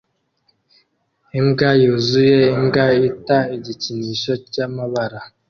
Imbwa yuzuye imbwa ita igikinisho cyamabara